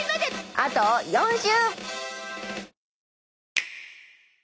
あと４週！